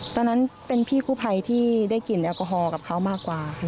ตอนนั้นเป็นพี่กู้ภัยที่ได้กลิ่นแอลกอฮอล์กับเขามากกว่าค่ะ